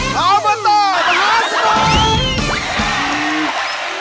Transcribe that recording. ช่วงหน้าห้ามพลาดกับออบตขอโชว์ครับ